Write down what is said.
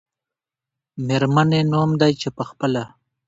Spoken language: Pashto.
میرمنې نوم دی، چې په خپله